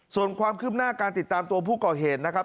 ส่วนความคืบหน้าการติดตามตัวผู้ก่อเหตุนะครับ